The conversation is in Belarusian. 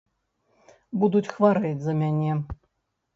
Будуць хварэць за мяне.